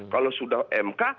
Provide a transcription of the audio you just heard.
kalau sudah mk